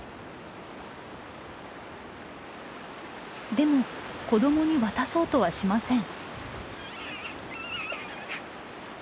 でも子どもに渡そうとはしません。